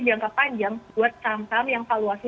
jangka panjang buat sam sam yang valuasi itu